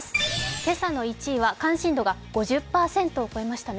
今朝の１位は関心度が５０％を超えましたね。